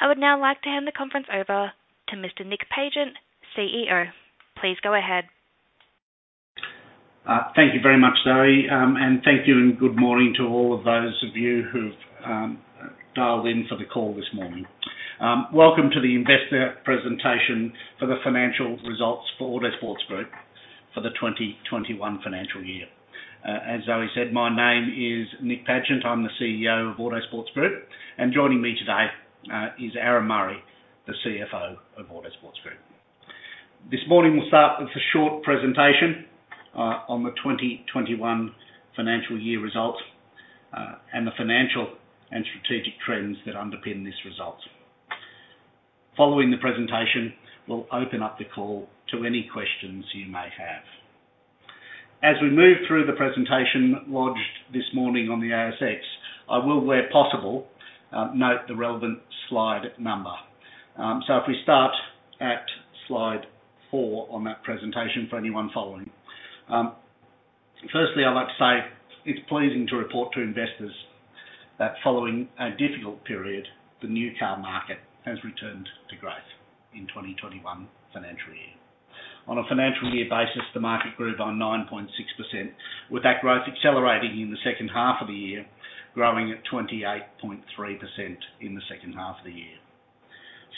I would now like to hand the conference over to Mr. Nick Pagent, CEO. Please go ahead. Thank you very much, Zoe, and thank you and good morning to all of those of you who've dialed in for the call this morning. Welcome to the Investor Presentation for the Financial Results for Autosports Group for the 2021 Financial Year. As Zoe said, my name is Nick Pagent. I'm the CEO of Autosports Group, and joining me today is Aaron Murray, the CFO of Autosports Group. This morning we'll start with a short presentation on the 2021 financial year results, and the financial and strategic trends that underpin these results. Following the presentation, we'll open up the call to any questions you may have. As we move through the presentation lodged this morning on the ASX, I will, where possible, note the relevant slide number. If we start at slide four on that presentation for anyone following. Firstly, I'd like to say it's pleasing to report to investors that following a difficult period, the new car market has returned to growth in 2021 financial year. On a financial year basis, the market grew by 9.6%, with that growth accelerating in the second half of the year, growing at 28.3% in the second half of the year.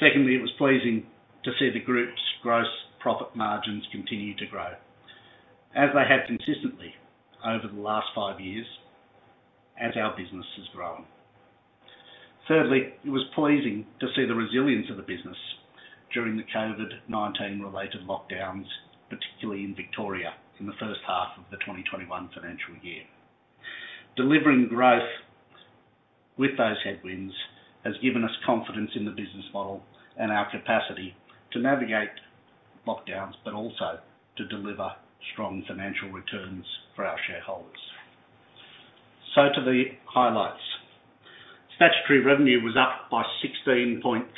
Secondly, it was pleasing to see the group's gross profit margins continue to grow, as they have consistently over the last five years as our business has grown. Thirdly, it was pleasing to see the resilience of the business during the COVID-19 related lockdowns, particularly in Victoria in the first half of the 2021 financial year. Delivering growth with those headwinds has given us confidence in the business model and our capacity to navigate lockdowns, but also to deliver strong financial returns for our shareholders. To the highlights. Statutory revenue was up by 16.3%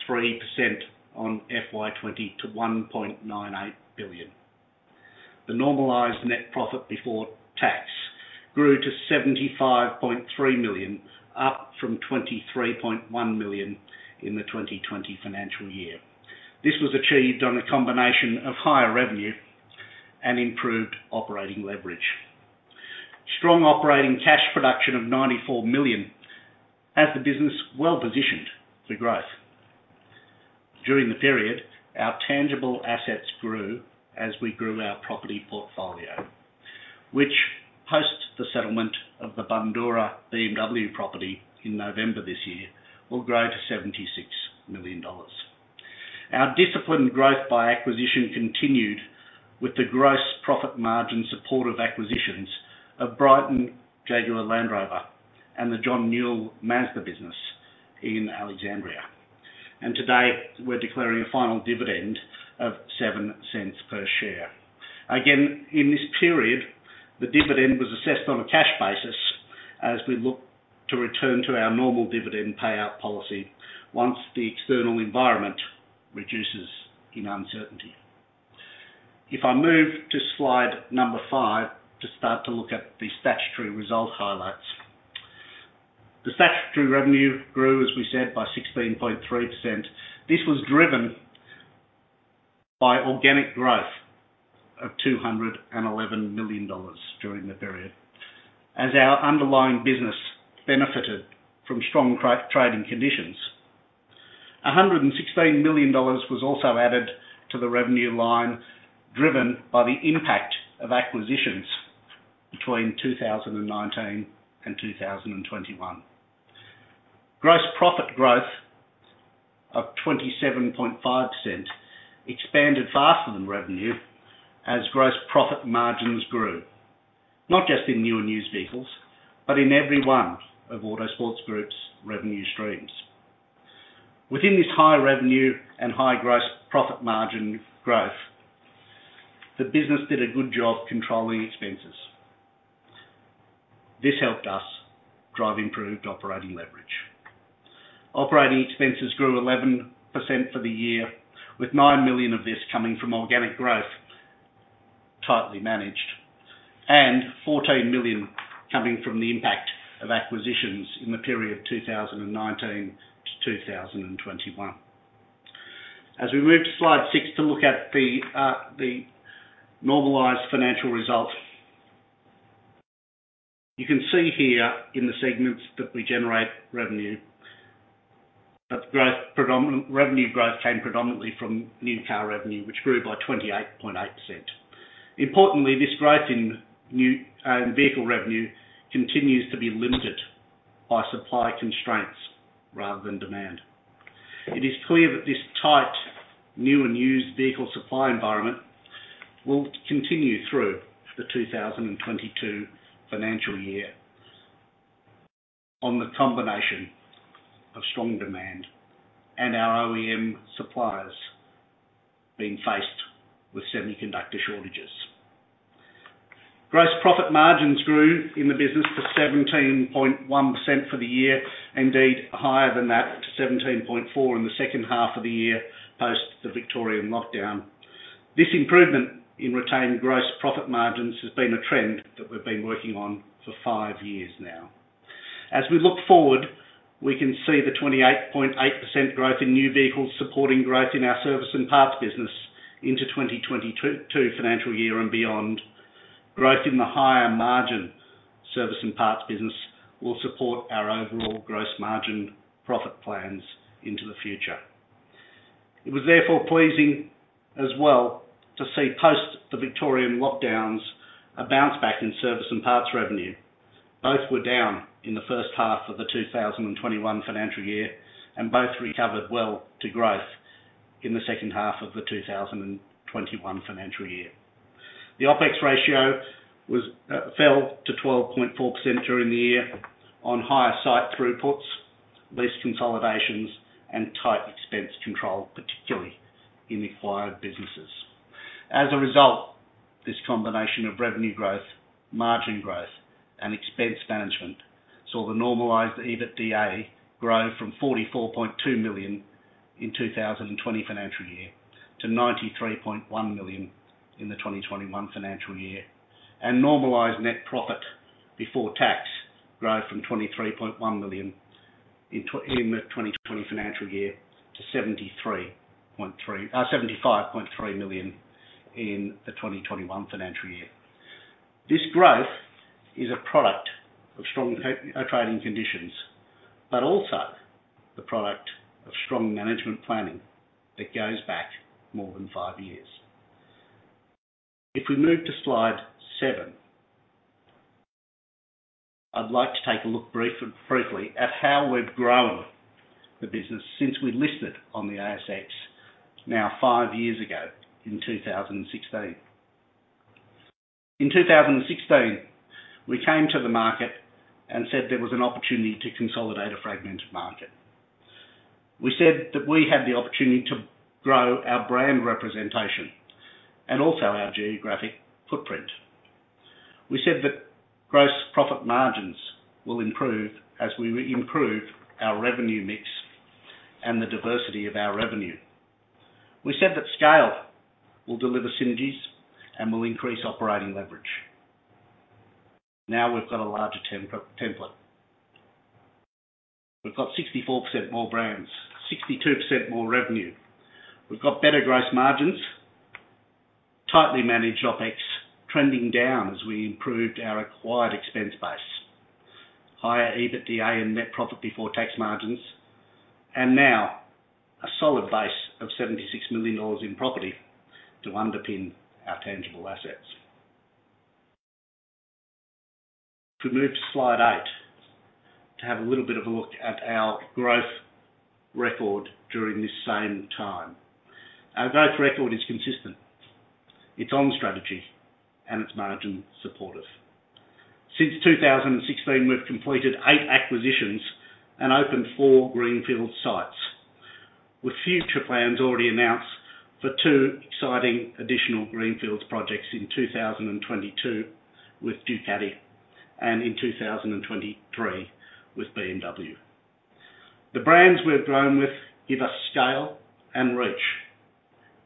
on FY 2020 to 1.98 billion. The normalized net profit before tax grew to 75.3 million, up from 23.1 million in the 2020 financial year. This was achieved on a combination of higher revenue and improved operating leverage. Strong operating cash production of 94 million has the business well-positioned for growth. During the period, our tangible assets grew as we grew our property portfolio, which post the settlement of the Bundoora BMW property in November this year will grow to 76 million dollars. Our disciplined growth by acquisition continued with the gross profit margin support of acquisitions of Brighton Jaguar Land Rover and the John Newell Mazda business in Alexandria. Today, we're declaring a final dividend of 0.07 per share. In this period, the dividend was assessed on a cash basis as we look to return to our normal dividend payout policy once the external environment reduces in uncertainty. If I move to slide number five to start to look at the statutory result highlights. The statutory revenue grew, as we said, by 16.3%. This was driven by organic growth of 211 million dollars during the period as our underlying business benefited from strong trading conditions. 116 million dollars was also added to the revenue line, driven by the impact of acquisitions between 2019 and 2021. Gross profit growth of 27.5% expanded faster than revenue as gross profit margins grew, not just in new and used vehicles, but in every one of Autosports Group's revenue streams. Within this high revenue and high gross profit margin growth, the business did a good job controlling expenses. This helped us drive improved operating leverage. Operating expenses grew 11% for the year, with 9 million of this coming from organic growth, tightly managed, and 14 million coming from the impact of acquisitions in the period 2019-2021. As we move to slide six to look at the normalized financial results. You can see here in the segments that we generate revenue, that the revenue growth came predominantly from new car revenue, which grew by 28.8%. Importantly, this growth in vehicle revenue continues to be limited by supply constraints rather than demand. It is clear that this tight new and used vehicle supply environment will continue through the 2022 financial year on the combination of strong demand and our OEM suppliers being faced with semiconductor shortages. Gross profit margins grew in the business to 17.1% for the year, indeed higher than that to 17.4% in the second half of the year post the Victorian lockdown. This improvement in retaining gross profit margins has been a trend that we've been working on for five years now. As we look forward, we can see the 28.8% growth in new vehicles supporting growth in our service and parts business into 2022 financial year and beyond. Growth in the higher margin service and parts business will support our overall gross margin profit plans into the future. It was therefore pleasing as well to see post the Victorian lockdowns, a bounce back in service and parts revenue. Both were down in the first half of the 2021 financial year, both recovered well to growth in the second half of the 2021 financial year. The OPEX ratio fell to 12.4% during the year on higher site throughputs, lease consolidations, and tight expense control, particularly in the acquired businesses. As a result, this combination of revenue growth, margin growth, and expense management saw the normalized EBITDA grow from 44.2 million in 2020 financial year to 93.1 million in the 2021 financial year. Normalized net profit before tax grew from 23.1 million in the 2020 financial year to 75.3 million in the 2021 financial year. This growth is a product of strong trading conditions, but also the product of strong management planning that goes back more than five years. If we move to slide seven, I'd like to take a look briefly at how we've grown the business since we listed on the ASX now five years ago in 2016. In 2016, we came to the market and said there was an opportunity to consolidate a fragmented market. We said that we had the opportunity to grow our brand representation and also our geographic footprint. We said that gross profit margins will improve as we improve our revenue mix and the diversity of our revenue. We said that scale will deliver synergies and will increase operating leverage. Now we've got a larger template. We've got 64% more brands, 62% more revenue. We've got better gross margins, tightly managed OPEX trending down as we improved our acquired expense base. Higher EBITDA and net profit before tax margins, and now a solid base of 76 million dollars in property to underpin our tangible assets. If we move to slide eight to have a little bit of a look at our growth record during this same time. Our growth record is consistent. It's on strategy and it's margin supportive. Since 2016, we've completed eight acquisitions and opened four greenfield sites, with future plans already announced for two exciting additional greenfields projects in 2022 with Ducati and in 2023 with BMW. The brands we've grown with give us scale and reach.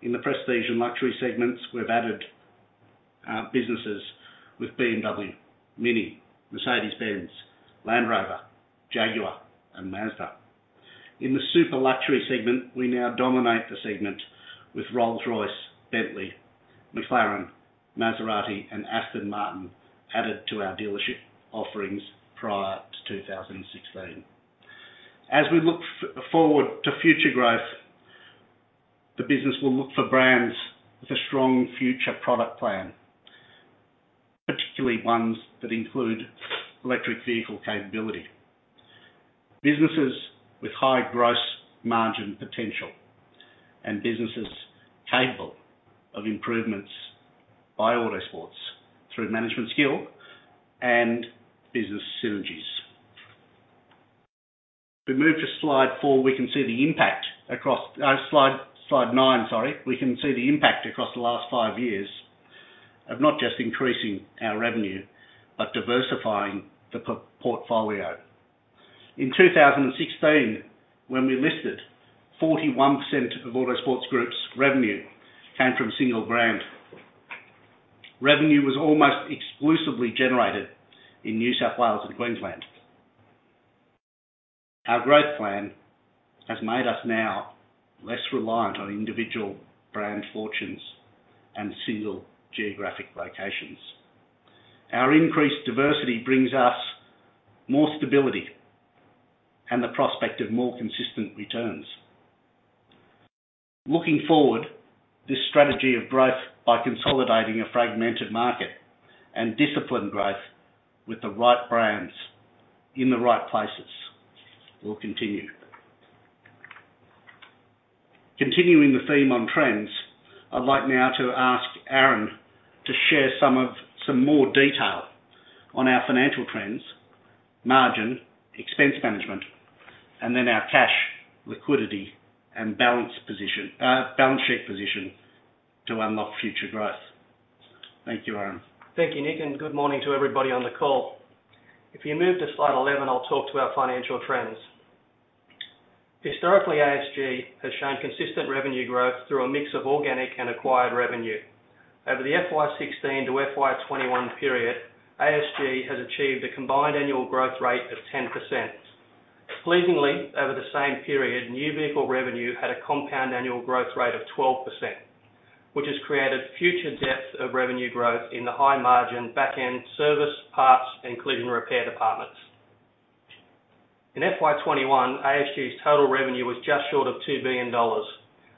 In the prestige and luxury segments, we've added our businesses with BMW, Mini, Mercedes-Benz, Land Rover, Jaguar, and Mazda. In the super luxury segment, we now dominate the segment with Rolls-Royce, Bentley, McLaren, Maserati, and Aston Martin added to our dealership offerings prior to 2016. As we look forward to future growth, the business will look for brands with a strong future product plan, particularly ones that include electric vehicle capability. Businesses with high gross margin potential and businesses capable of improvements by Autosports through management skill and business synergies. If we move to slide four, we can see the impact across slide nine, sorry. We can see the impact across the last five years of not just increasing our revenue, but diversifying the portfolio. In 2016, when we listed, 41% of Autosports Group's revenue came from a single brand. Revenue was almost exclusively generated in New South Wales and Queensland. Our growth plan has made us now less reliant on individual brand fortunes and single geographic locations. Our increased diversity brings us more stability and the prospect of more consistent returns. Looking forward, this strategy of growth by consolidating a fragmented market and disciplined growth with the right brands in the right places will continue. Continuing the theme on trends, I'd like now to ask Aaron to share some more detail on our financial trends, margin, expense management, and then our cash liquidity and balance sheet position to unlock future growth. Thank you, Aaron. Thank you, Nick, good morning to everybody on the call. If you move to slide 11, I'll talk to our financial trends. Historically, ASG has shown consistent revenue growth through a mix of organic and acquired revenue. Over the FY 2016-FY 2021 period, ASG has achieved a combined annual growth rate of 10%. Pleasingly, over the same period, new vehicle revenue had a compound annual growth rate of 12%, which has created future depth of revenue growth in the high-margin back-end service, parts, and collision repair departments. In FY 2021, ASG's total revenue was just short of 2 billion dollars,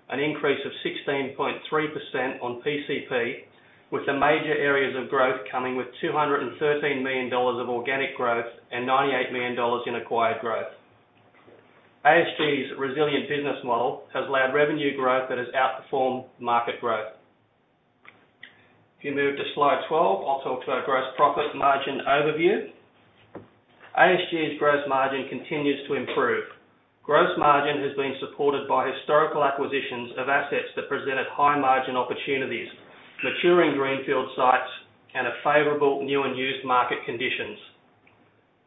an increase of 16.3% on PCP, with the major areas of growth coming with 213 million dollars of organic growth and 98 million dollars in acquired growth. ASG's resilient business model has allowed revenue growth that has outperformed market growth. If you move to slide 12, I'll talk to our gross profit margin overview. ASG's gross margin continues to improve. Gross margin has been supported by historical acquisitions of assets that presented high-margin opportunities, maturing greenfield sites, and a favorable new and used market conditions.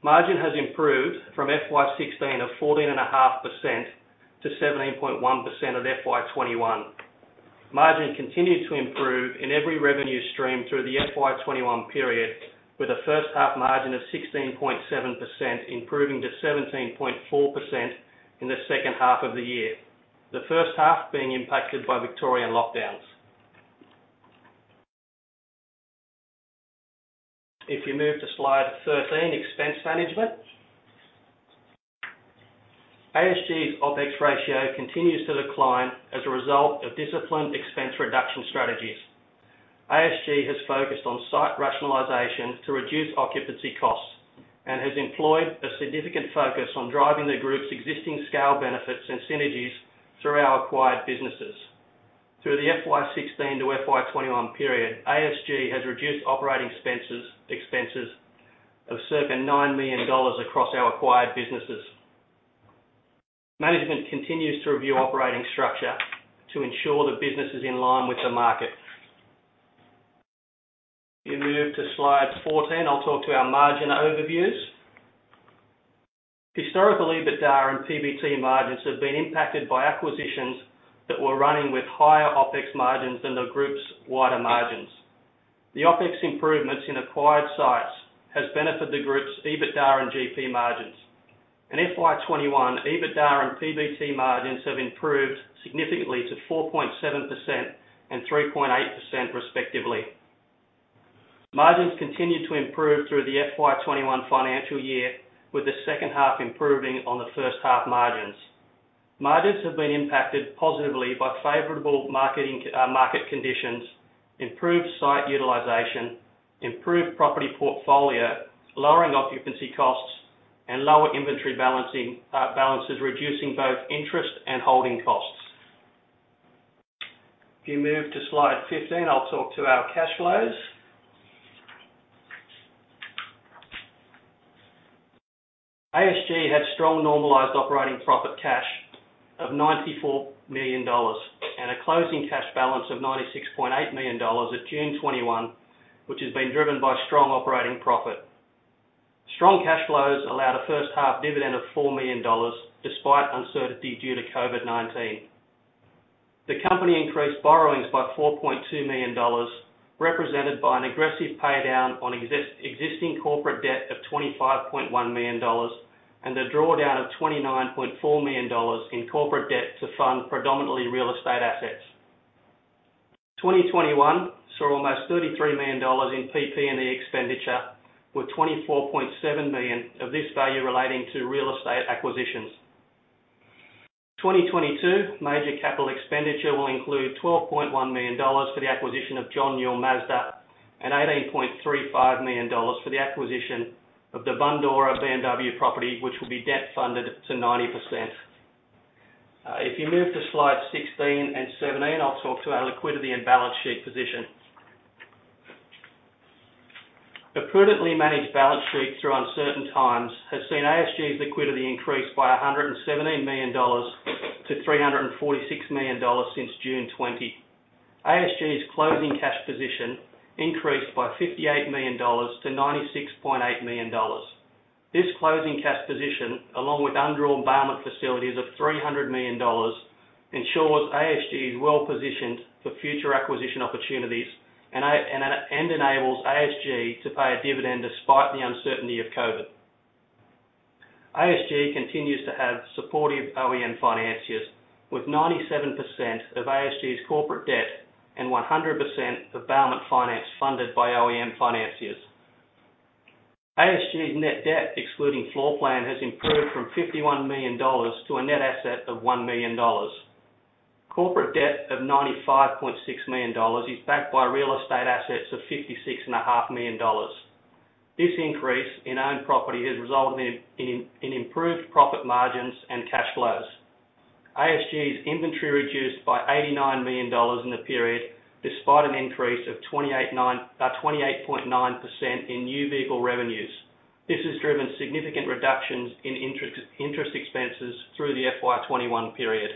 Margin has improved from FY 2016 of 14.5%-17.1% of FY 2021. Margin continued to improve in every revenue stream through the FY 2021 period, with a first-half margin of 16.7%, improving to 17.4% in the second half of the year. The first half being impacted by Victorian lockdowns. If you move to slide 13, expense management. ASG's OpEx ratio continues to decline as a result of disciplined expense reduction strategies. ASG has focused on site rationalization to reduce occupancy costs and has employed a significant focus on driving the group's existing scale benefits and synergies through our acquired businesses. Through the FY 2016-FY 2021 period, ASG has reduced operating expenses of circa 9 million dollars across our acquired businesses. Management continues to review operating structure to ensure the business is in line with the market. If you move to slide 14, I will talk to our margin overviews. Historically, EBITDA and PBT margins have been impacted by acquisitions that were running with higher OpEx margins than the group's wider margins. The OpEx improvements in acquired sites has benefited the group's EBITDA and GP margins. In FY 2021, EBITDA and PBT margins have improved significantly to 4.7% and 3.8%, respectively. Margins continued to improve through the FY 2021 financial year, with the second half improving on the first half margins. Margins have been impacted positively by favorable market conditions, improved site utilization, improved property portfolio, lowering occupancy costs, and lower inventory balances, reducing both interest and holding costs. If you move to slide 15, I will talk to our cash flows. ASG had strong normalized operating profit cash of 94 million dollars and a closing cash balance of 96.8 million dollars at June 2021, which has been driven by strong operating profit. Strong cash flows allowed a first half dividend of 4 million dollars, despite uncertainty due to COVID-19. The company increased borrowings by 4.2 million dollars, represented by an aggressive paydown on existing corporate debt of 25.1 million dollars and a drawdown of 29.4 million dollars in corporate debt to fund predominantly real estate assets. 2021 saw almost 33 million dollars in PP&E expenditure, with 24.7 million of this value relating to real estate acquisitions. 2022 major capital expenditure will include 12.1 million dollars for the acquisition of John Newell Mazda and 18.35 million dollars for the acquisition of the Bundoora BMW property, which will be debt-funded to 90%. If you move to slide 16 and 17, I'll talk to our liquidity and balance sheet position. A prudently managed balance sheet through uncertain times has seen ASG's liquidity increase by 117 million-346 million dollars since June 2020. ASG's closing cash position increased by 58 million-96.8 million dollars. This closing cash position, along with undrawn bailment facilities of 300 million dollars, ensures ASG is well-positioned for future acquisition opportunities and enables ASG to pay a dividend despite the uncertainty of COVID. ASG continues to have supportive OEM financiers, with 97% of ASG's corporate debt and 100% of bailment finance funded by OEM financiers. ASG's net debt, excluding floor plan, has improved from 51 million dollars to a net asset of 1 million dollars. Corporate debt of 95.6 million dollars is backed by real estate assets of 56.5 million dollars. This increase in owned property has resulted in improved profit margins and cash flows. ASG's inventory reduced by 89 million dollars in the period, despite an increase of 28.9% in new vehicle revenues. This has driven significant reductions in interest expenses through the FY 2021 period.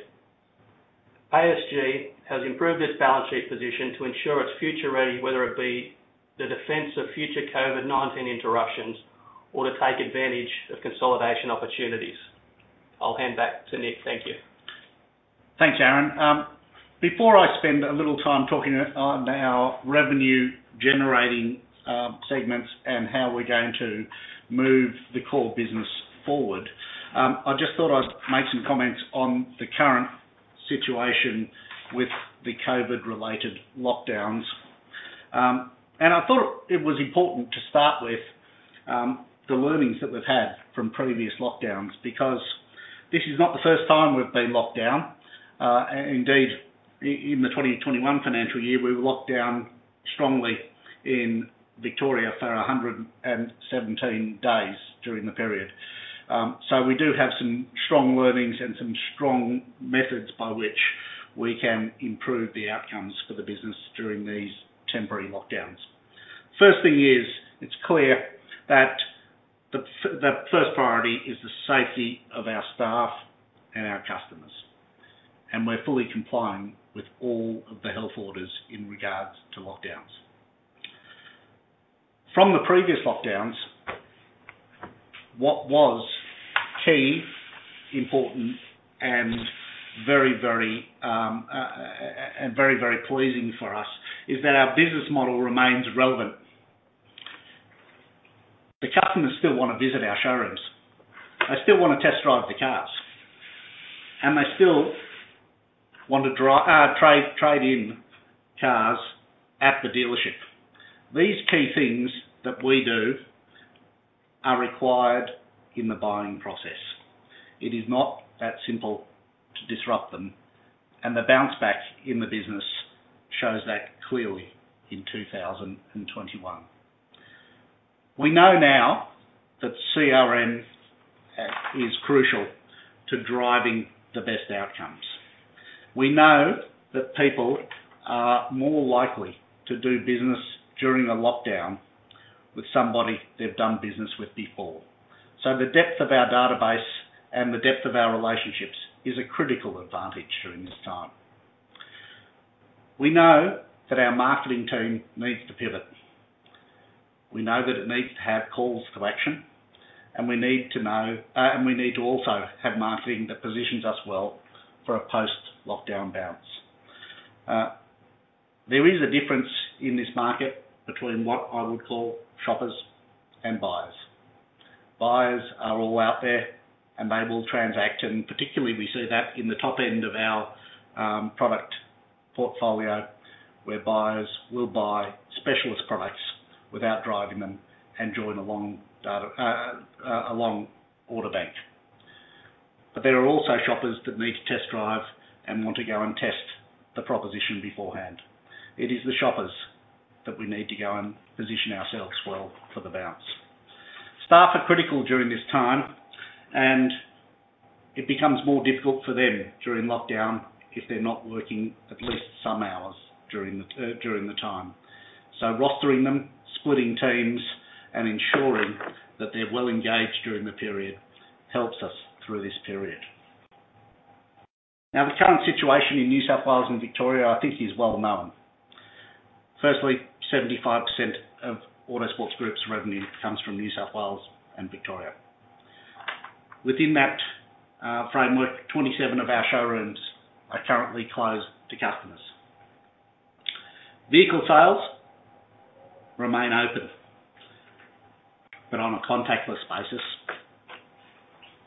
ASG has improved its balance sheet position to ensure it's future ready, whether it be the defense of future COVID-19 interruptions or to take advantage of consolidation opportunities. I'll hand back to Nick. Thank you. Thanks, Aaron. Before I spend a little time talking about our revenue-generating segments and how we're going to move the core business forward, I just thought I'd make some comments on the current situation with the COVID-related lockdowns. I thought it was important to start with the learnings that we've had from previous lockdowns, because this is not the first time we've been locked down. Indeed, in the 2021 financial year, we were locked down strongly in Victoria for 117 days during the period. We do have some strong learnings and some strong methods by which we can improve the outcomes for the business during these temporary lockdowns. First thing is, it's clear that the first priority is the safety of our staff and our customers, and we're fully complying with all of the health orders in regards to lockdowns. From the previous lockdowns, what was key, important, and very pleasing for us is that our business model remains relevant. The customers still want to visit our showrooms. They still want to test drive the cars, and they still want to trade in cars at the dealership. These key things that we do are required in the buying process. It is not that simple to disrupt them, and the bounce back in the business shows that clearly in 2021. We know now that CRM is crucial to driving the best outcomes. We know that people are more likely to do business during a lockdown with somebody they've done business with before. The depth of our database and the depth of our relationships is a critical advantage during this time. We know that our marketing team needs to pivot. We know that it needs to have calls to action, and we need to also have marketing that positions us well for a post-lockdown bounce. There is a difference in this market between what I would call shoppers and buyers. Buyers are all out there, and they will transact, and particularly we see that in the top end of our product portfolio, where buyers will buy specialist products without driving them and join a long order bank. There are also shoppers that need to test drive and want to go and test the proposition beforehand. It is the shoppers that we need to go and position ourselves well for the bounce. Staff are critical during this time, and it becomes more difficult for them during lockdown if they're not working at least some hours during the time. Rostering them, splitting teams, and ensuring that they're well engaged during the period helps us through this period. The current situation in New South Wales and Victoria, I think, is well known. Firstly, 75% of Autosports Group's revenue comes from New South Wales and Victoria. Within that framework, 27 of our showrooms are currently closed to customers. Vehicle sales remain open, but on a contactless basis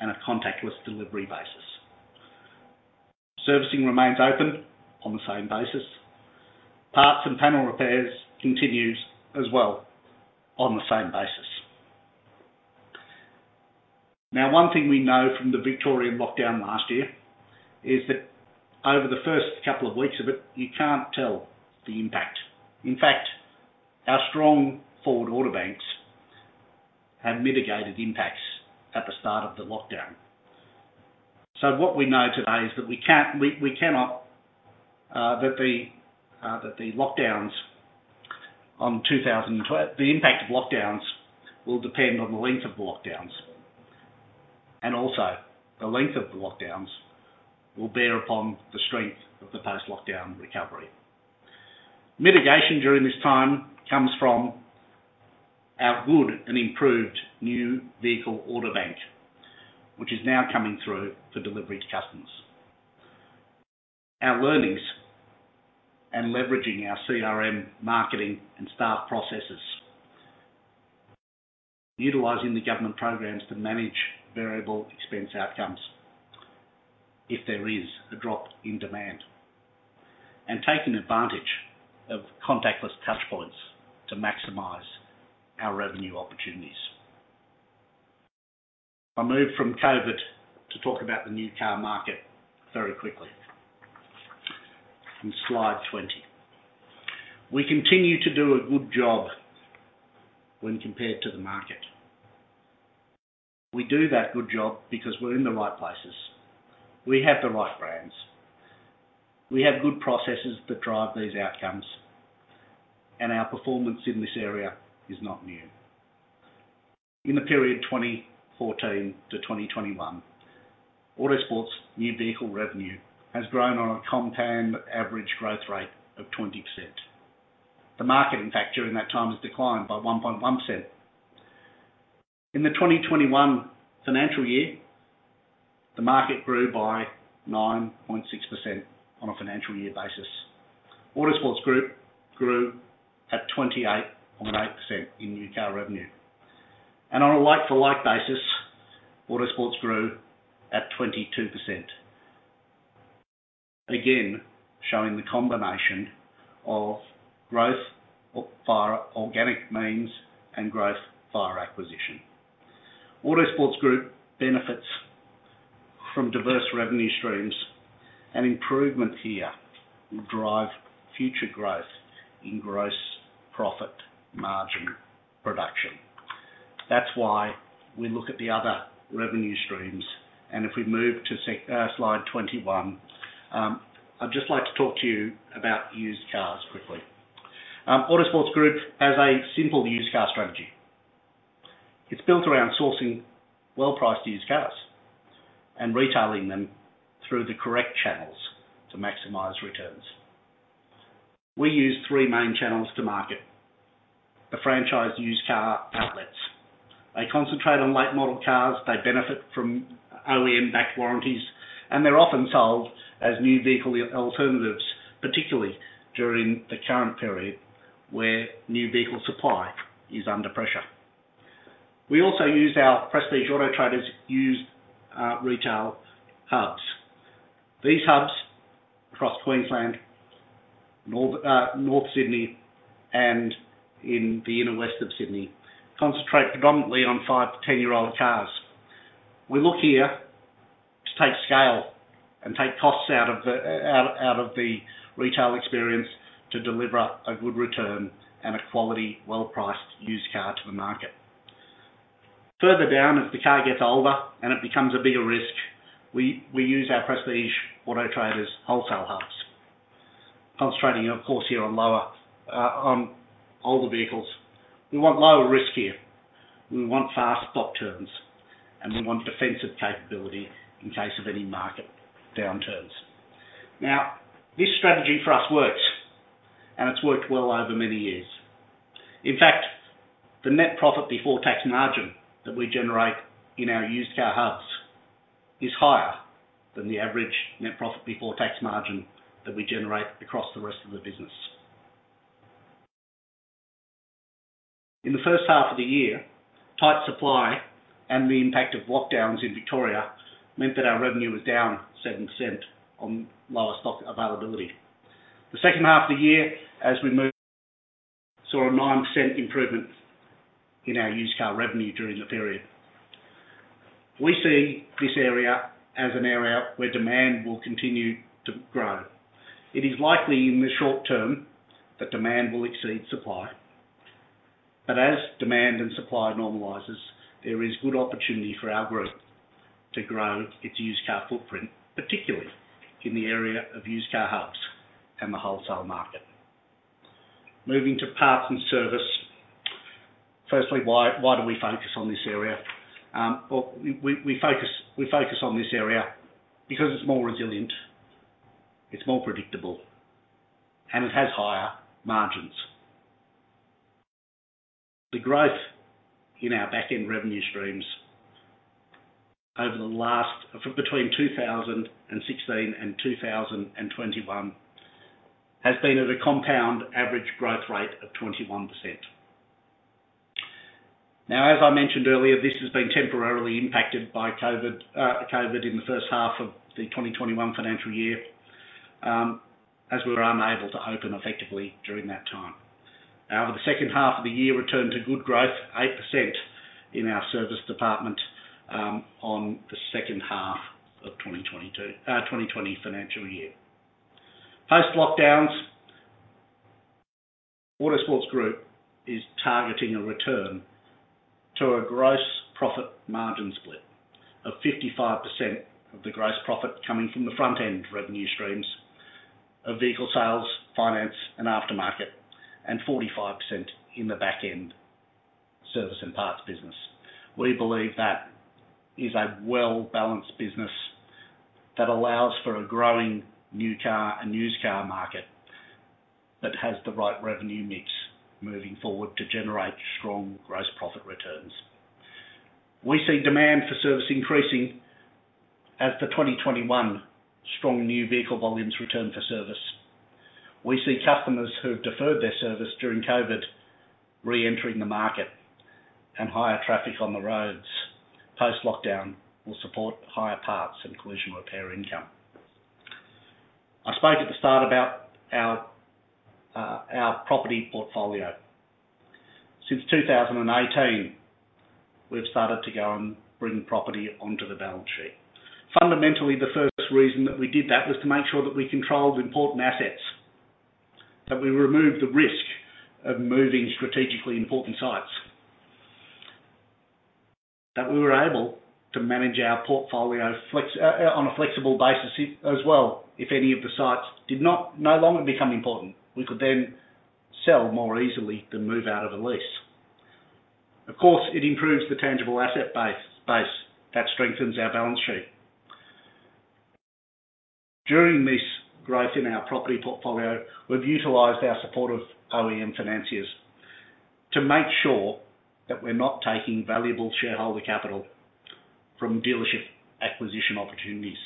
and a contactless delivery basis. Servicing remains open on the same basis. Parts and panel repairs continues as well on the same basis. One thing we know from the Victorian lockdown last year is that over the first couple of weeks of it, you can't tell the impact. In fact, our strong forward order banks have mitigated impacts at the start of the lockdown. What we know today is that the impact of lockdowns will depend on the length of the lockdowns, and also the length of the lockdowns will bear upon the strength of the post-lockdown recovery. Mitigation during this time comes from our good and improved new vehicle order bank, which is now coming through for delivery to customers. Our learnings and leveraging our CRM marketing and staff processes, utilizing the government programs to manage variable expense outcomes if there is a drop in demand, and taking advantage of contactless touchpoints to maximize our revenue opportunities. I move from COVID-19 to talk about the new car market very quickly. In slide 20. We continue to do a good job when compared to the market. We do that good job because we're in the right places. We have the right brands. We have good processes that drive these outcomes, and our performance in this area is not new. In the period 2014-2021, Autosports' new vehicle revenue has grown on a compound average growth rate of 20%. The market, in fact, during that time has declined by 1.1%. In the 2021 financial year, the market grew by 9.6% on a financial year basis. Autosports Group grew at 28.8% in new car revenue. On a like for like basis, Autosports grew at 22%, again, showing the combination of growth via organic means and growth via acquisition. Autosports Group benefits from diverse revenue streams, and improvements here will drive future growth in gross profit margin production. That's why we look at the other revenue streams. If we move to slide 21, I'd just like to talk to you about used cars quickly. Autosports Group has a simple used car strategy. It's built around sourcing well-priced used cars and retailing them through the correct channels to maximize returns. We use three main channels to market the franchise used car outlets. They concentrate on late-model cars. They benefit from OEM backed warranties, and they're often sold as new vehicle alternatives, particularly during the current period where new vehicle supply is under pressure. We also use our Prestige Auto Traders used retail hubs. These hubs across Queensland, North Sydney, and in the inner west of Sydney, concentrate predominantly on 5–10-year-old cars. We look here to take scale and take costs out of the retail experience to deliver a good return and a quality, well-priced used car to the market. Further down, as the car gets older and it becomes a bigger risk, we use our Prestige Auto Traders wholesale hubs. Concentrating, of course, here on older vehicles. We want lower risk here. We want fast stock turns, and we want defensive capability in case of any market downturns. This strategy for us works, and it's worked well over many years. In fact, the net profit before tax margin that we generate in our used car hubs is higher than the average net profit before tax margin that we generate across the rest of the business. In the first half of the year, tight supply and the impact of lockdowns in Victoria meant that our revenue was down 7% on lower stock availability. The second half of the year, as we move, saw a 9% improvement in our used car revenue during the period. We see this area as an area where demand will continue to grow. It is likely in the short term that demand will exceed supply. As demand and supply normalizes, there is good opportunity for our group to grow its used car footprint, particularly in the area of used car hubs and the wholesale market. Moving to parts and service. Firstly, why do we focus on this area? Well, we focus on this area because it's more resilient, it's more predictable, and it has higher margins. The growth in our back-end revenue streams between 2016 and 2021 has been at a compound average growth rate of 21%. Now, as I mentioned earlier, this has been temporarily impacted by COVID-19 in the first half of the 2021 financial year, as we were unable to open effectively during that time. Over the second half of the year, we returned to good growth, 8% in our service department, on the second half of the 2020 financial year. Post-lockdowns, Autosports Group is targeting a return to a gross profit margin split of 55% of the gross profit coming from the front-end revenue streams of vehicle sales, finance, and aftermarket, and 45% in the back-end service and parts business. We believe that is a well-balanced business that allows for a growing new car and used car market that has the right revenue mix moving forward to generate strong gross profit returns. We see demand for service increasing as the 2021 strong new vehicle volumes return for service. We see customers who have deferred their service during COVID-19 reentering the market, and higher traffic on the roads post-lockdown will support higher parts and collision repair income. I spoke at the start about our property portfolio. Since 2018, we've started to go and bring property onto the balance sheet. Fundamentally, the first reason that we did that was to make sure that we controlled important assets, that we removed the risk of moving strategically important sites. That we were able to manage our portfolio on a flexible basis as well. If any of the sites did no longer become important, we could then sell more easily than move out of a lease. Of course, it improves the tangible asset base. That strengthens our balance sheet. During this growth in our property portfolio, we've utilized our support of OEM financiers to make sure that we're not taking valuable shareholder capital from dealership acquisition opportunities.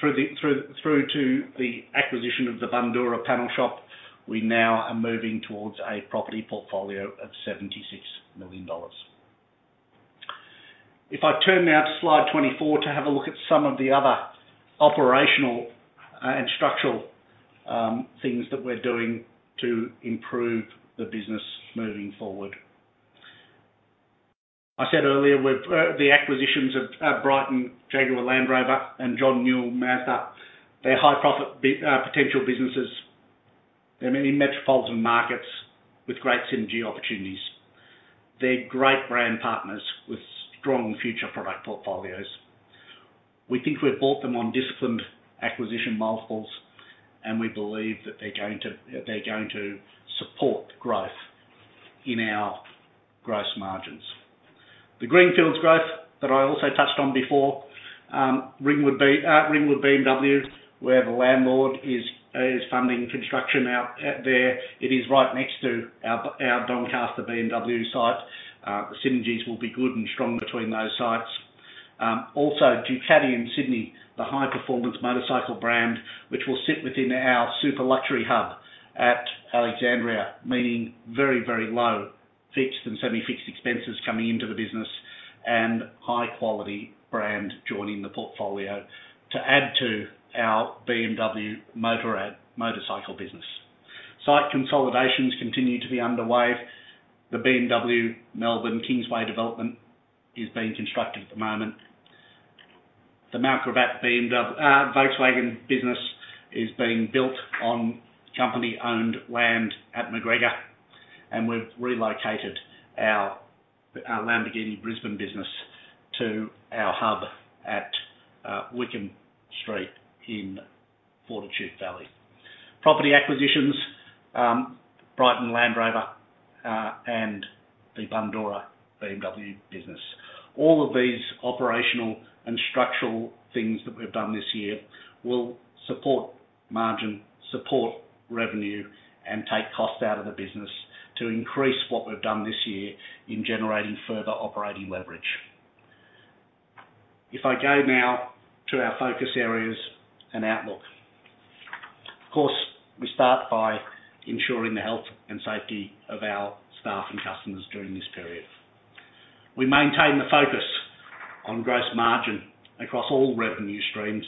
Through to the acquisition of the Bundoora panel shop, we now are moving towards a property portfolio of 76 million dollars. If I turn now to slide 24 to have a look at some of the other operational and structural things that we're doing to improve the business moving forward. I said earlier, the acquisitions of Brighton Jaguar Land Rover and John Newell Mazda, they're high profit potential businesses. They're in metropolitan markets with great synergy opportunities. They're great brand partners with strong future product portfolios. We think we've bought them on disciplined acquisition multiples, and we believe that they're going to support growth in our gross margins. The greenfields growth that I also touched on before, Ringwood BMW, where the landlord is funding construction out there. It is right next to our Doncaster BMW site. The synergies will be good and strong between those sites. Also, Ducati in Sydney, the high-performance motorcycle brand, which will sit within our super luxury hub at Alexandria, meaning very low fixed and semi-fixed expenses coming into the business, and high-quality brand joining the portfolio to add to our BMW Motorrad motorcycle business. Site consolidations continue to be underway. The BMW Melbourne Kingsway development is being constructed at the moment. The Mount Gravatt Volkswagen business is being built on company-owned land at Macgregor, and we've relocated our Lamborghini Brisbane business to our hub at Wickham Street in Fortitude Valley. Property acquisitions, Brighton Land Rover, and the Bundoora BMW business. All of these operational and structural things that we've done this year will support margin, support revenue, and take costs out of the business to increase what we've done this year in generating further operating leverage. If I go now to our focus areas and outlook. Of course, we start by ensuring the health and safety of our staff and customers during this period. We maintain the focus on gross margin across all revenue streams.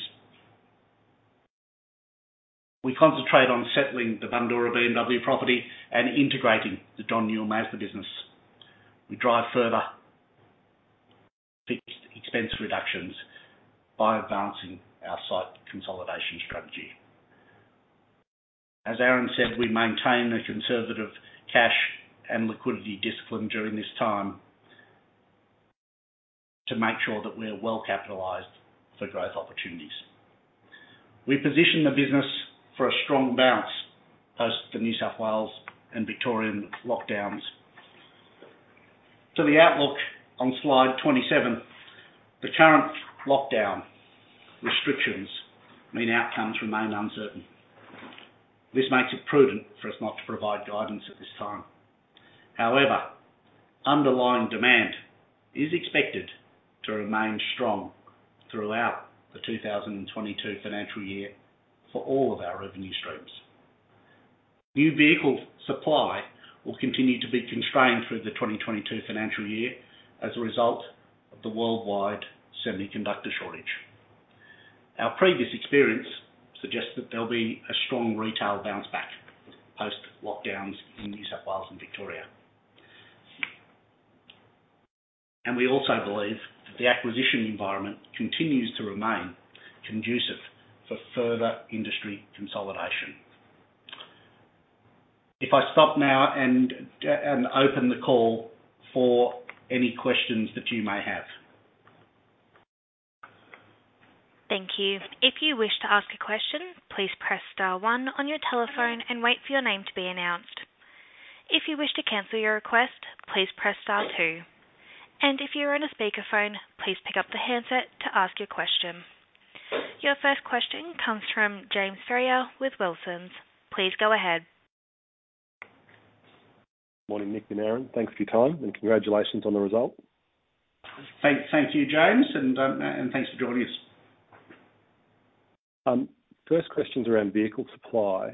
We concentrate on settling the Bundoora BMW property and integrating the John Newell Mazda business. We drive further fixed expense reductions by advancing our site consolidation strategy. As Aaron said, we maintain a conservative cash and liquidity discipline during this time to make sure that we're well-capitalized for growth opportunities. We position the business for a strong bounce post the New South Wales and Victorian lockdowns. To the outlook on slide 27. The current lockdown restrictions mean outcomes remain uncertain. This makes it prudent for us not to provide guidance at this time. However, underlying demand is expected to remain strong throughout the 2022 financial year for all of our revenue streams. New vehicle supply will continue to be constrained through the 2022 financial year as a result of the worldwide semiconductor shortage. Our previous experience suggests that there'll be a strong retail bounce back post-lockdowns in New South Wales and Victoria. We also believe that the acquisition environment continues to remain conducive for further industry consolidation. If I stop now and open the call for any questions that you may have. Thank you. If you wish to ask a question, please press star one on your telephone and wait for your name to be announced. If you wish to cancel your request, please press star two. If you're in a speakerphone, please pick up the handset to ask your question. Your first question comes from James Ferrier with Wilsons. Please go ahead. Morning, Nick and Aaron. Thanks for your time, and congratulations on the result. Thank you, James, and thanks for joining us. First question's around vehicle supply.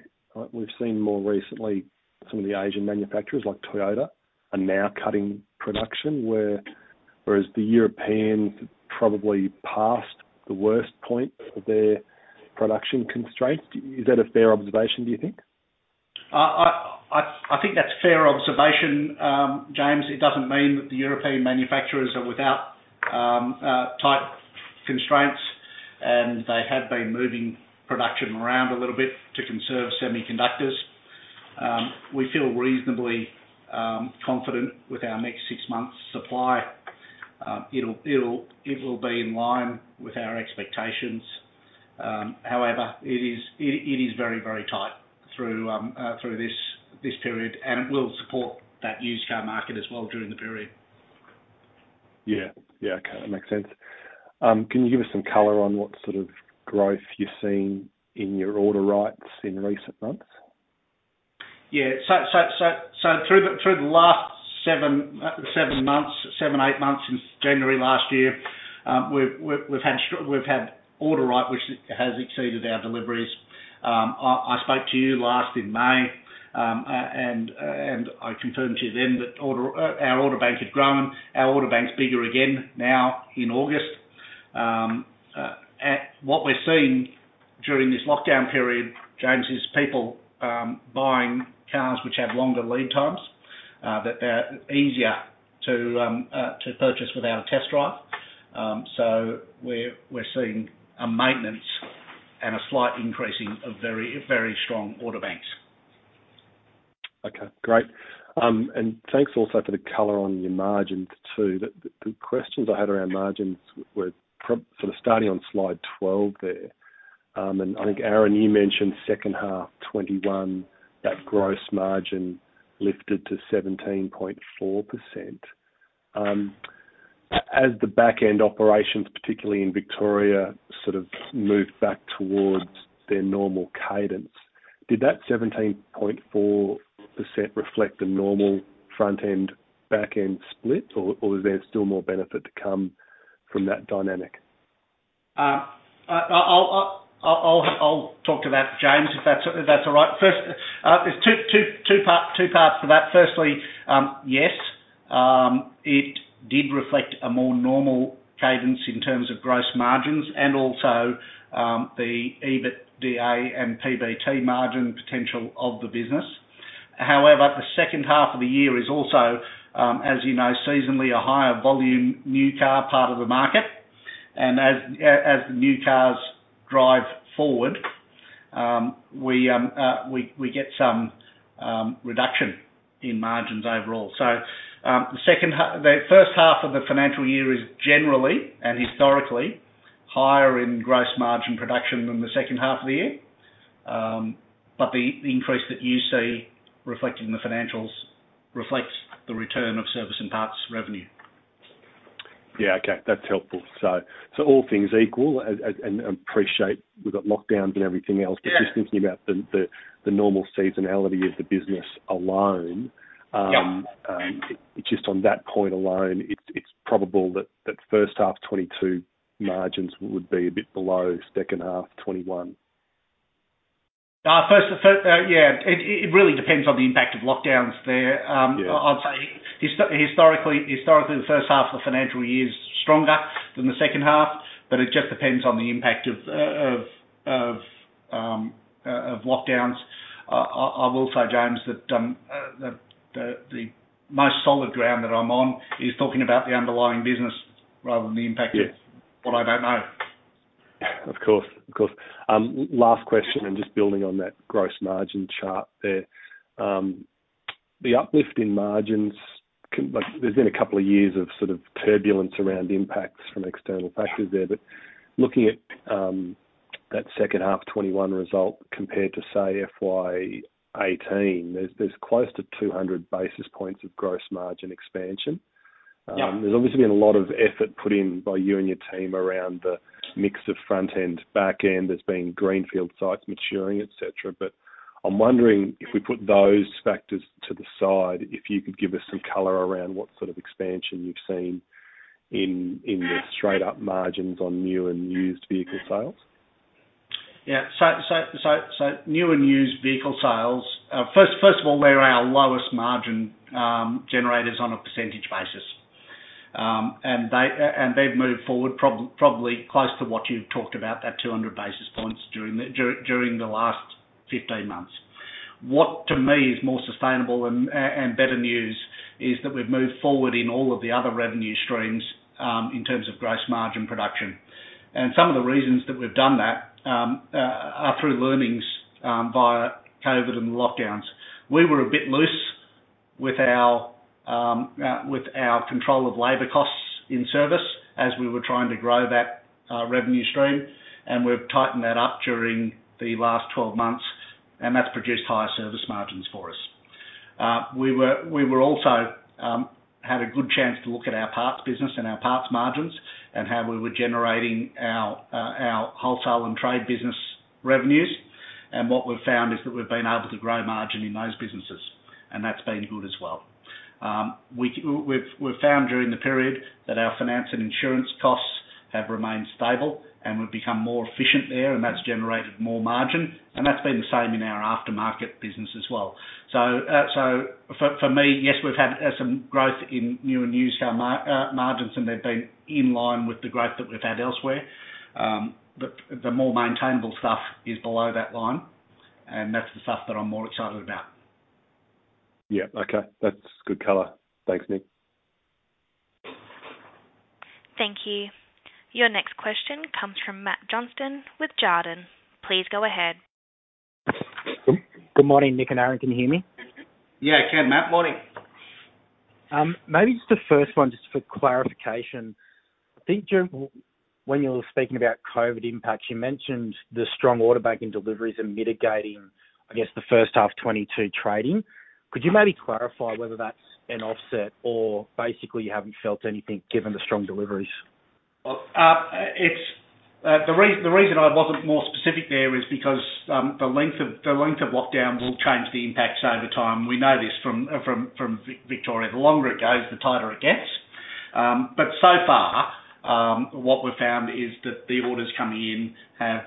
We've seen more recently some of the Asian manufacturers, like Toyota, are now cutting production, whereas the Europeans are probably past the worst point of their production constraints. Is that a fair observation, do you think? I think that's a fair observation, James. It doesn't mean that the European manufacturers are without tight constraints. They have been moving production around a little bit to conserve semiconductors. We feel reasonably confident with our next six months supply. It will be in line with our expectations. However, it is very, very tight through this period, and it will support that used car market as well during the period. Yeah. Okay. That makes sense. Can you give us some color on what sort of growth you're seeing in your order write in recent months? Through the last seven, eight months since January last year, we've had order write, which has exceeded our deliveries. I spoke to you last in May, and I confirmed to you then that our order bank had grown. Our order bank's bigger again now in August. What we're seeing during this lockdown period, James, is people buying cars which have longer lead times, that they're easier to purchase without a test drive. We're seeing a maintenance and a slight increasing of very strong order banks. Okay, great. Thanks also for the color on your margins too. The questions I had around margins were sort of starting on slide 12 there. I think, Aaron, you mentioned second half 2021, that gross margin lifted to 17.4%. As the back-end operations, particularly in Victoria, sort of moved back towards their normal cadence, did that 17.4% reflect the normal front-end, back-end split, or was there still more benefit to come from that dynamic? I'll talk to that, James, if that's all right. There's two parts to that. Yes, it did reflect a more normal cadence in terms of gross margins and also, the EBITDA and PBT margin potential of the business. As the new cars drive forward, we get some reduction in margins overall. The first half of the financial year is generally and historically higher in gross margin production than the second half of the year. The increase that you see reflected in the financials reflects the return of service and parts revenue. Yeah. Okay. That's helpful. All things equal, and I appreciate we've got lockdowns and everything else. Yeah. Just thinking about the normal seasonality of the business alone. Yeah. Just on that point alone, it's probable that first half 2022 margins would be a bit below second half 2021. Yeah. It really depends on the impact of lockdowns there. Yeah. I'd say historically, the first half of the financial year is stronger than the second half. It just depends on the impact of lockdowns. I will say, James, that the most solid ground that I'm on is talking about the underlying business rather than the impact- Yeah. Of what I don't know. Of course. Last question and just building on that gross margin chart there. The uplift in margins, there's been a couple of years of sort of turbulence around impacts from external factors there. Looking at that second half 2021 result compared to, say, FY 2018, there's close to 200 basis points of gross margin expansion. Yeah. There's obviously been a lot of effort put in by you and your team around the mix of front-end, back-end. There's been greenfield sites maturing, et cetera. I'm wondering if we put those factors to the side, if you could give us some color around what sort of expansion you've seen in the straight-up margins on new and used vehicle sales. Yeah. New and used vehicle sales, first of all, they're our lowest margin generators on a percentage basis. They've moved forward probably close to what you've talked about, that 200 basis points during the last 15 months. What to me is more sustainable and better news is that we've moved forward in all of the other revenue streams, in terms of gross margin production. Some of the reasons that we've done that are through learnings via COVID and lockdowns. We were a bit loose with our control of labor costs in service as we were trying to grow that revenue stream, and we've tightened that up during the last 12 months, and that's produced higher service margins for us. We also had a good chance to look at our parts business and our parts margins and how we were generating our wholesale and trade business revenues. What we've found is that we've been able to grow margin in those businesses, and that's been good as well. We've found during the period that our finance and insurance costs have remained stable, and we've become more efficient there, and that's generated more margin, and that's been the same in our aftermarket business as well. For me, yes, we've had some growth in new and used car margins, and they've been in line with the growth that we've had elsewhere. The more maintainable stuff is below that line, and that's the stuff that I'm more excited about. Yeah, okay. That's good color. Thanks, Nick. Thank you. Your next question comes from Matt Johnston with Jarden. Please go ahead. Good morning, Nick and Aaron. Can you hear me? Yeah, I can, Matt. Morning. Maybe just the first one, just for clarification. I think during when you were speaking about COVID impacts, you mentioned the strong order bank and deliveries are mitigating, I guess, the first half 2022 trading. Could you maybe clarify whether that's an offset or basically you haven't felt anything given the strong deliveries? The reason I wasn't more specific there is because the length of lockdown will change the impacts over time. We know this from Victoria. The longer it goes, the tighter it gets. So far, what we've found is that the orders coming in have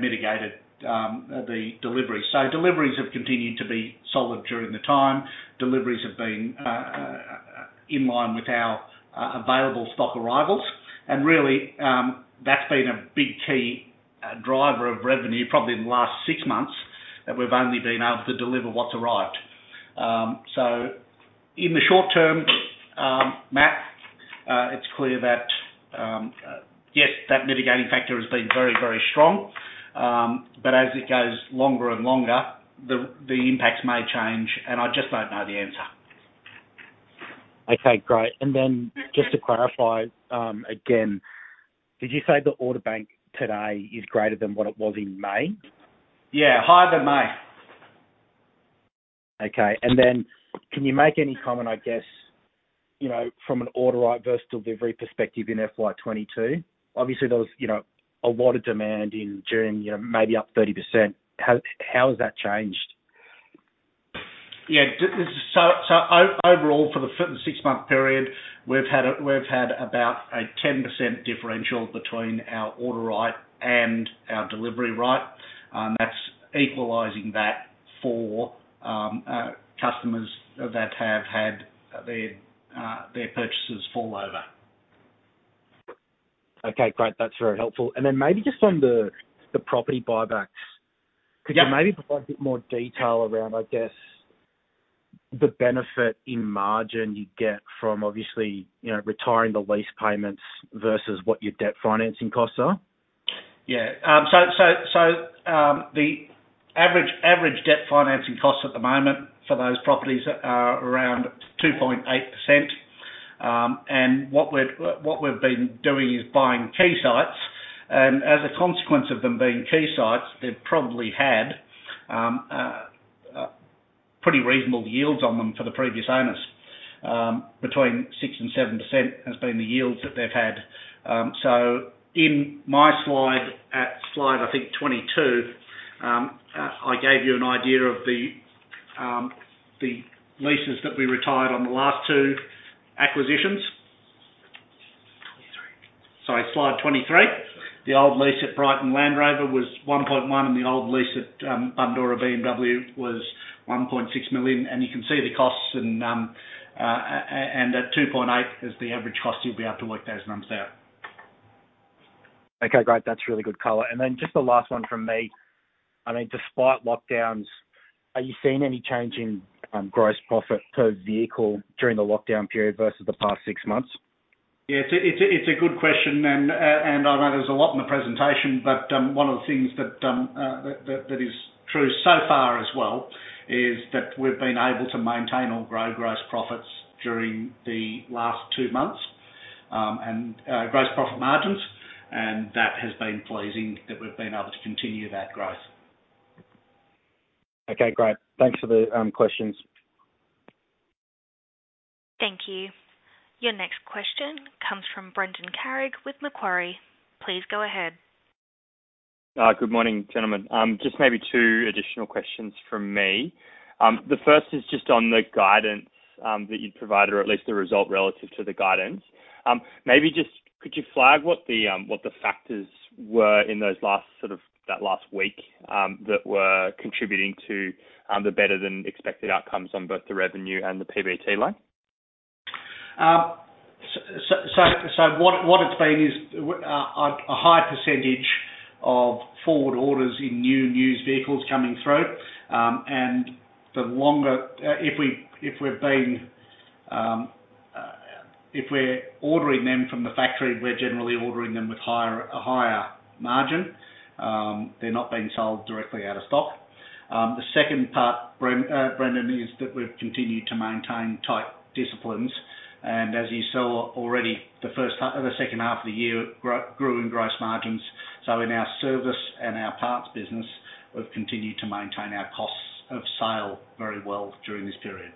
mitigated the delivery. Deliveries have continued to be solid during the time. Deliveries have been in line with our available stock arrivals. Really, that's been a big key driver of revenue, probably in the last six months, that we've only been able to deliver what's arrived. In the short term, Matt, it's clear that, yes, that mitigating factor has been very, very strong. As it goes longer and longer, the impacts may change, and I just don't know the answer. Okay, great. Just to clarify again, did you say the order bank today is greater than what it was in May? Yeah, higher than May. Okay. Can you make any comment, I guess, from an order write versus delivery perspective in FY 2022? Obviously, there was a lot of demand up 30%. How has that changed? Yeah. Overall, for the six-month period, we've had about a 10% differential between our order write and our delivery rate. That's equalizing that for customers that have had their purchases fall over. Okay, great. That's very helpful. Maybe just on the property buybacks. Yeah. Could you maybe provide a bit more detail around, I guess, the benefit in margin you get from obviously, retiring the lease payments versus what your debt financing costs are? Yeah. The average debt financing cost at the moment for those properties are around 2.8%, and what we've been doing is buying key sites. As a consequence of them being key sites, they've probably had pretty reasonable yields on them for the previous owners. Between 6%-7% has been the yields that they've had. In my slide, at slide, I think, 22, I gave you an idea of the leases that we retired on the last two acquisitions. 23. Sorry, slide 23. The old lease at Brighton Land Rover was 1.1 million and the old lease at Bundoora BMW was 1.6 million. You can see the costs and that 2.8 million is the average cost. You will be able to work those numbers out. Okay, great. That's really good color. Just the last one from me. Despite lockdowns, are you seeing any change in gross profit per vehicle during the lockdown period versus the past six months? Yeah. It's a good question, and I know there's a lot in the presentation, but one of the things that is true so far as well is that we've been able to maintain or grow gross profits during the last two months, and gross profit margins, and that has been pleasing that we've been able to continue that growth. Okay, great. Thanks for the questions. Thank you. Your next question comes from Brendan Carrig with Macquarie. Please go ahead. Good morning, gentlemen. Just maybe two additional questions from me. The first is just on the guidance that you'd provided or at least the result relative to the guidance. Could you flag what the factors were in that last week that were contributing to the better-than-expected outcomes on both the revenue and the PBT line? What it's been is a high percentage of forward orders in new and used vehicles coming through. If we're ordering them from the factory, we're generally ordering them with a higher margin. They're not being sold directly out of stock. The second part, Brendan, is that we've continued to maintain tight disciplines, and as you saw already, the second half of the year grew in gross margins. In our service and our parts business, we've continued to maintain our costs of sale very well during this period.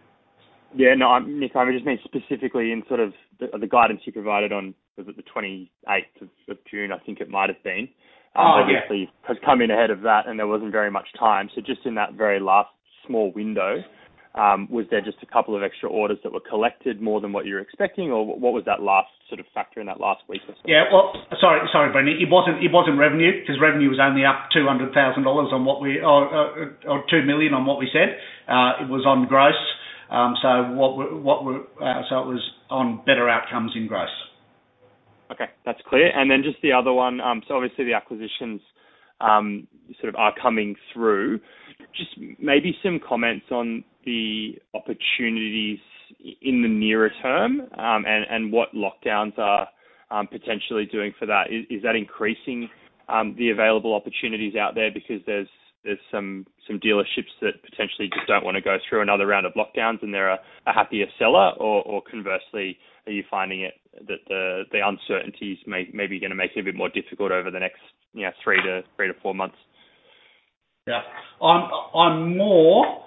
Yeah. Nick, I just meant specifically in sort of the guidance you provided on the 28th of June, I think it might have been. Oh, yeah. Obviously, has come in ahead of that. There wasn't very much time. Just in that very last small window, was there just a couple of extra orders that were collected more than what you were expecting? What was that last sort of factor in that last week or so? Yeah. Well, sorry, Brendan. It wasn't revenue because revenue was only up 200,000 dollars or 2 million on what we said. It was on gross. It was on better outcomes in gross. Okay, that's clear. Just the other one, obviously the acquisitions sort of are coming through. Just maybe some comments on the opportunities in the nearer term, and what lockdowns are potentially doing for that. Is that increasing the available opportunities out there because there's some dealerships that potentially just don't want to go through another round of lockdowns and they're a happier seller? Conversely, are you finding that the uncertainties maybe going to make it a bit more difficult over the next three-four months? Yeah. I'm more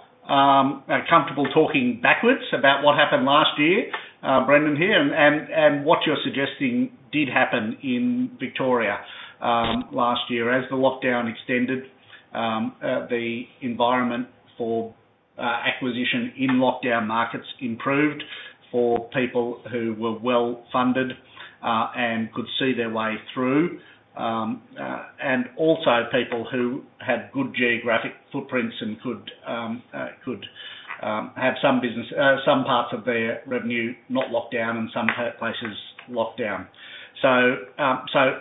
comfortable talking backwards about what happened last year, Brendan, here, and what you're suggesting did happen in Victoria last year. As the lockdown extended, the environment for acquisition in lockdown markets improved for people who were well-funded and could see their way through. Also people who had good geographic footprints and could have some parts of their revenue not locked down and some places locked down.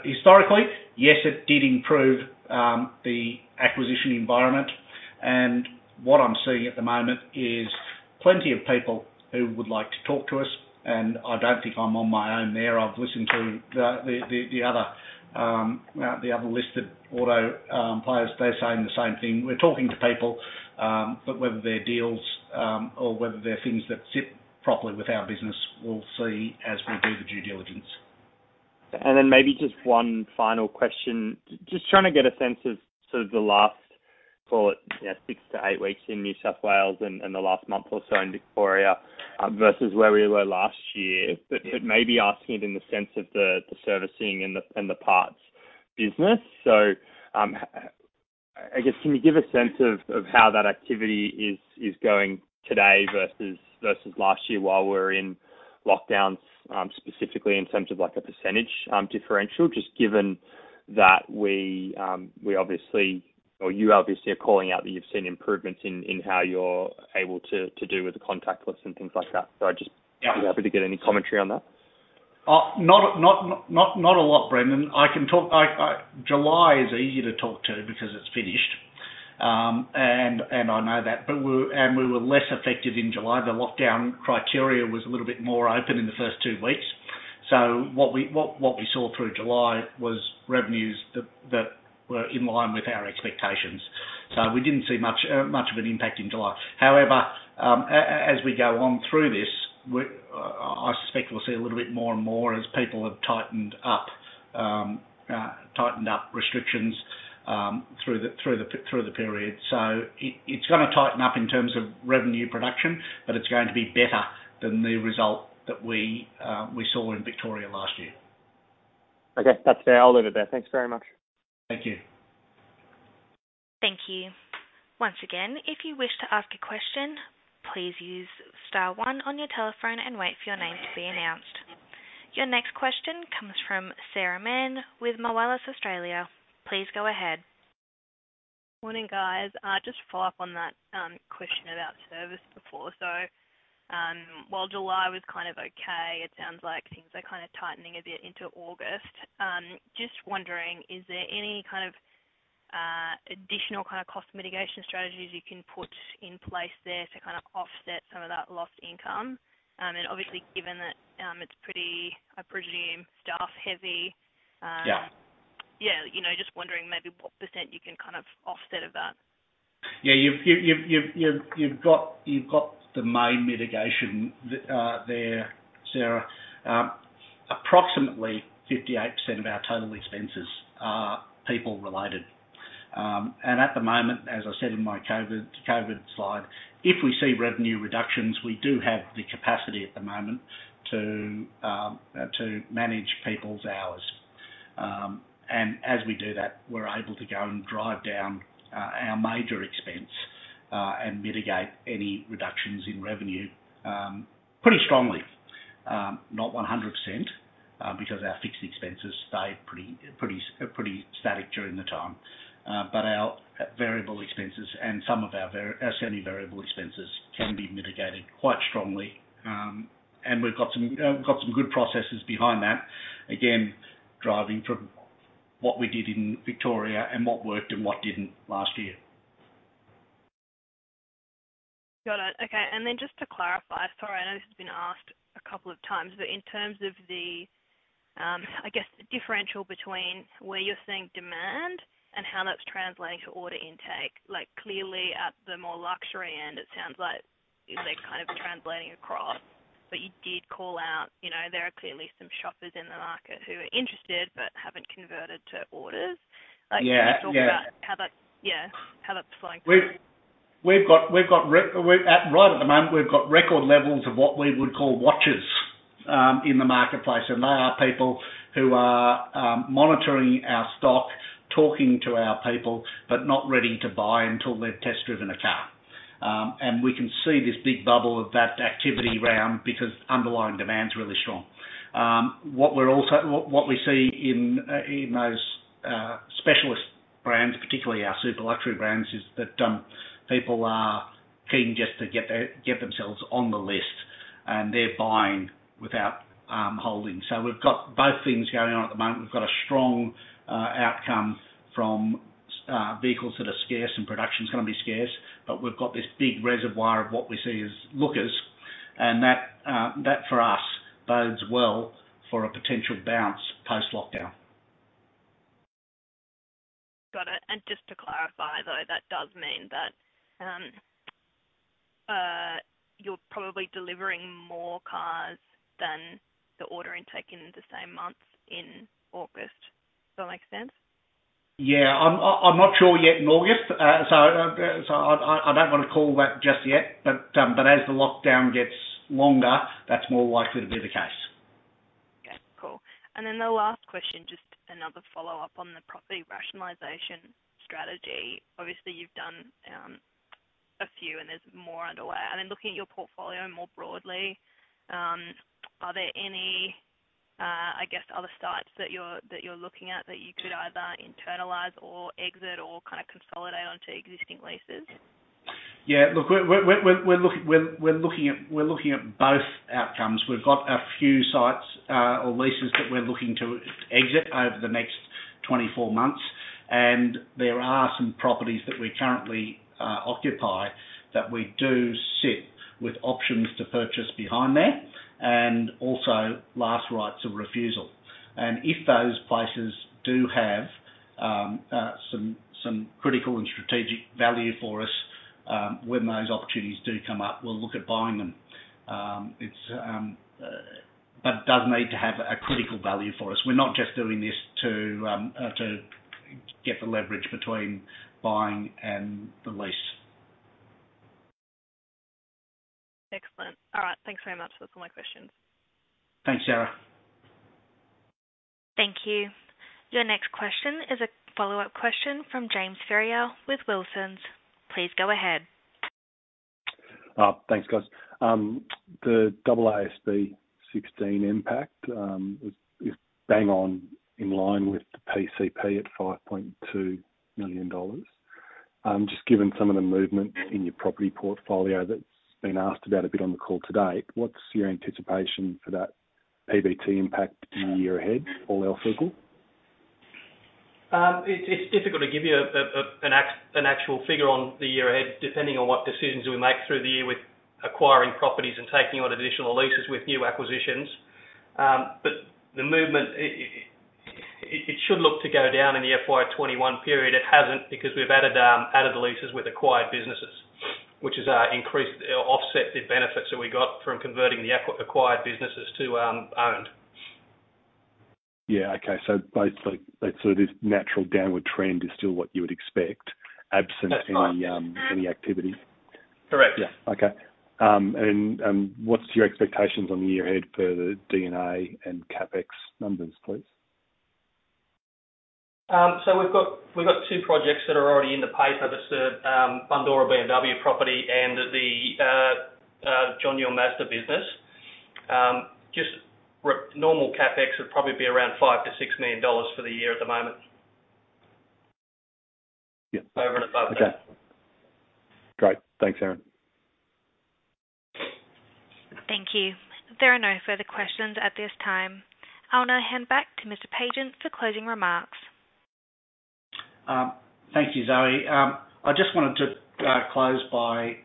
Historically, yes, it did improve, the acquisition environment. What I'm seeing at the moment is plenty of people who would like to talk to us, and I don't think I'm on my own there. I've listened to the other listed auto players. They're saying the same thing. We're talking to people, whether they're deals, or whether they're things that sit properly with our business, we'll see as we do the due diligence. Maybe just one final question. Just trying to get a sense of sort of the last, call it six-eight weeks in New South Wales and the last month or so in Victoria, versus where we were last year. Yeah. Maybe asking it in the sense of the servicing and the parts business. I guess, can you give a sense of how that activity is going today versus last year while we're in lockdowns, specifically in terms of a percentage differential, just given that we obviously, or you obviously are calling out that you've seen improvements in how you're able to do with the contactless and things like that? Yeah. Be happy to get any commentary on that. Not a lot, Brendan. July is easy to talk to because it's finished. I know that, and we were less effective in July. The lockdown criteria was a little bit more open in the first two weeks. What we saw through July was revenues that were in line with our expectations. We didn't see much of an impact in July. However, as we go along through this, I suspect we'll see a little bit more and more as people have tightened up restrictions, through the period. It's gonna tighten up in terms of revenue production, but it's going to be better than the result that we saw in Victoria last year. Okay. That's fair. I'll leave it there. Thanks very much. Thank you. Thank you. Once again, if you wish to ask a question, please use star one on your telephone and wait for your name to be announced. Your next question comes from Sarah Mann with Moelis Australia. Please go ahead. Morning, guys. Just follow up on that question about service before. While July was kind of okay, it sounds like things are kind of tightening a bit into August. Just wondering, is there any kind of additional cost mitigation strategies you can put in place there to kind of offset some of that lost income? Obviously given that it's pretty, I presume, staff heavy. Yeah. Yeah, just wondering maybe what % you can kind of offset of that? Yeah. You've got the main mitigation there, Sarah. Approximately 58% of our total expenses are people-related. At the moment, as I said in my COVID-19 slide, if we see revenue reductions, we do have the capacity at the moment to manage people's hours. As we do that, we're able to go and drive down our major expense, and mitigate any reductions in revenue, pretty strongly. Not 100%, because our fixed expenses stayed pretty static during the time. Our variable expenses and some of our semi-variable expenses can be mitigated quite strongly. We've got some good processes behind that, again, driving from what we did in Victoria and what worked and what didn't last year. Got it. Okay. Just to clarify, sorry, I know this has been asked a couple of times, but in terms of the, I guess, the differential between where you're seeing demand and how that's translating to order intake. Clearly at the more luxury end, it sounds like they're kind of translating across, but you did call out, there are clearly some shoppers in the market who are interested but haven't converted to orders. Yeah. Can you talk about how that's flowing through? Right at the moment, we've got record levels of what we would call watchers, in the marketplace, they are people who are monitoring our stock, talking to our people, but not ready to buy until they've test-driven a car. We can see this big bubble of that activity around because underlying demand's really strong. What we see in those specialist brands, particularly our super luxury brands, is that people are keen just to get themselves on the list, and they're buying without holding. We've got both things going on at the moment. We've got a strong outcome from vehicles that are scarce and production's going to be scarce, but we've got this big reservoir of what we see as lookers, and that for us bodes well for a potential bounce post-lockdown. Got it. Just to clarify, though, that does mean that you're probably delivering more cars than the order intake in the same month in August. Does that make sense? Yeah. I'm not sure yet in August. I don't want to call that just yet, but as the lockdown gets longer, that's more likely to be the case. Okay, cool. The last question, just another follow-up on the property rationalization strategy. Obviously, you've done a few, and there's more underway. Looking at your portfolio more broadly, are there any, I guess, other sites that you're looking at that you could either internalize or exit or kind of consolidate onto existing leases? Yeah. Look, we're looking at both outcomes. We've got a few sites or leases that we're looking to exit over the next 24 months. There are some properties that we currently occupy that we do sit with options to purchase behind there, and also last rights of refusal. If those places do have some critical and strategic value for us, when those opportunities do come up, we'll look at buying them. It does need to have a critical value for us. We're not just doing this to get the leverage between buying and the lease. Excellent. All right. Thanks very much. That's all my questions. Thanks, Sarah. Thank you. Your next question is a follow-up question from James Ferrier with Wilsons. Please go ahead. Thanks, guys. The AASB 16 impact is bang on in line with the PCP at 5.2 million dollars. Just given some of the movement in your property portfolio that's been asked about a bit on the call today, what's your anticipation for that PBT impact in the year ahead, all else equal? It's difficult to give you an actual figure on the year ahead, depending on what decisions we make through the year with acquiring properties and taking on additional leases with new acquisitions. The movement, it should look to go down in the FY 2021 period. It hasn't because we've added leases with acquired businesses, which has increased or offset the benefits that we got from converting the acquired businesses to owned. Yeah. Okay. Basically, this natural downward trend is still what you would expect- That's right. Absent any activity? Correct. Yeah. Okay. What's your expectations on the year ahead for the D&A and CapEx numbers, please? We've got two projects that are already in the pipe. That's the Bundoora BMW property and the John Newell Mazda business. Just normal CapEx would probably be around 5 million-6 million dollars for the year at the moment. Yeah. Over and above that. Okay. Great. Thanks, Aaron. Thank you. There are no further questions at this time. I'll now hand back to Mr. Pagent for closing remarks. Thank you, Zoe. I just wanted to close by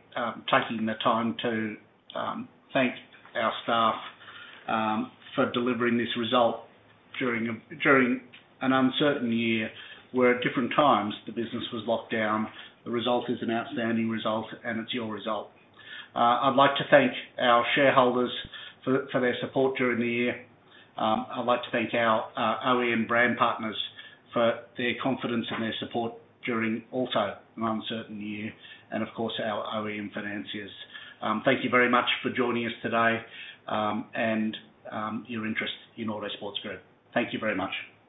taking the time to thank our staff for delivering this result during an uncertain year, where at different times the business was locked down. The result is an outstanding result, and it's your result. I'd like to thank our shareholders for their support during the year. I'd like to thank our OEM brand partners for their confidence and their support during also an uncertain year, and of course, our OEM financiers. Thank you very much for joining us today, and your interest in Autosports Group. Thank you very much.